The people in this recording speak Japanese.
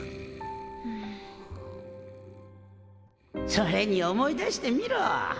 それに思い出してみろ。